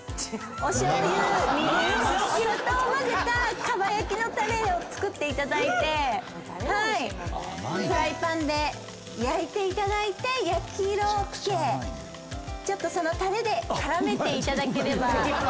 お砂糖を混ぜた蒲焼きのタレを作っていただいてフライパンで焼いていただいて焼き色を付けそのタレで絡めていただければ。